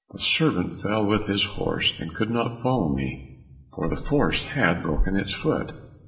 The servant fell with his horse, and could not follow me, for the horse had broken its foot.